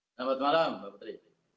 selamat malam mbak petri